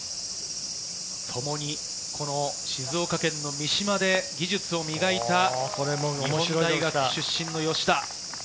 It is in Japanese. ともに静岡県の三島で技術を磨いた日本大学出身の吉田。